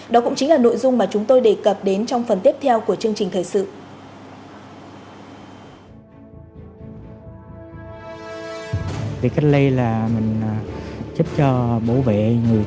đó cũng chính là nội dung mà chúng tôi đề cập đến trong phần tiếp theo của chương trình thời sự